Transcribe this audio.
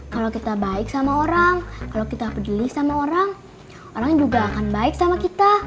kalau kita baik sama orang kalau kita peduli sama orang orang juga akan baik sama kita